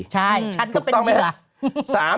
ใช่ฉันก็เป็นตัว